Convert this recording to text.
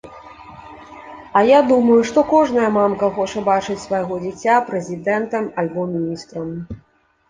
А я думаю, што кожная мамка хоча бачыць свайго дзіця прэзідэнтам альбо міністрам.